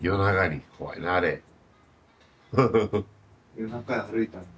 夜中歩いたんだ。